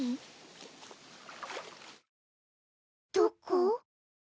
どこ？